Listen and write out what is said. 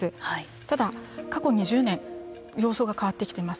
ただ、過去２０年様相が変わってきています。